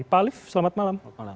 pak alif selamat malam